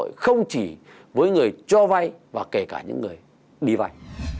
điều này không chỉ với người cho vay và kể cả những người đi vay